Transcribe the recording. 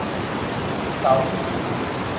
เสาร์นี้สี่ทุ่ม